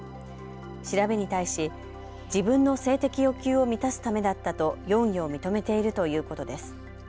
調べに対し自分の性的欲求を満たすためだったと容疑を認めているということです。